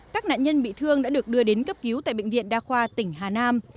các nạn nhân bị thương đã được đưa đến cấp cứu tại bệnh viện đa khoa tỉnh hà nam